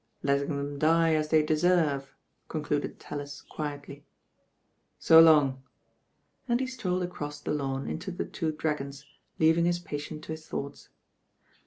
'Letting them die as they deserve," concluded Talhs quietly "So long," and he strolled across the lawn into The Two Dragons," leaving his patient to his thoughts.